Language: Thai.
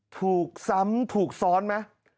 ถูกซ้ำถูกซ้อนไหม